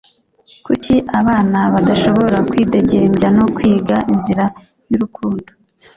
kuki abana badashobora kwidegembya no kwiga inzira y'urukundo